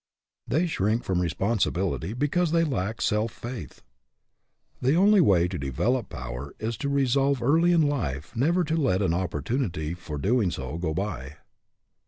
They shrink from responsibility be cause they lack self faith. The only way to develop power is to re solve early in life never to let an opportunity for doing so go by.